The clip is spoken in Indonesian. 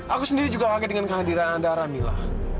aku sendiri juga kaget dengan kehadiran andara mila